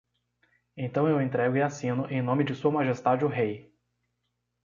Então eu entrego e assino em nome de Sua Majestade o Rei.